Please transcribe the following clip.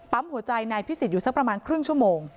หัวใจนายพิสิทธิอยู่สักประมาณครึ่งชั่วโมง